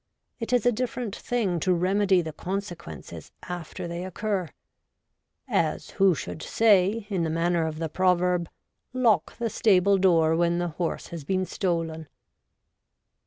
It is a different thing to remedy the consequences after they occur' — as who should say, in the manner of the proverb, Lock the stable door when the horse has been stolen.